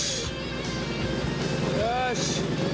よし。